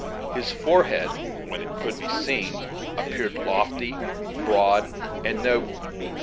His forehead, when it could be seen, appeared lofty, broad, and noble.